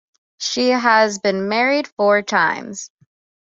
She has been married four times.